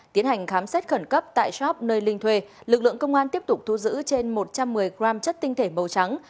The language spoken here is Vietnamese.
tiến hành khám xét khẩn cấp tại shop nơi linh thuê lực lượng công an tiếp tục thu giữ trên một trăm một mươi g chất tinh thể màu trắng